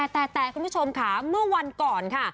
แต่คุณผู้ชมค่ะเมื่อวันก่อนค่ะ